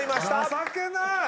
情けない！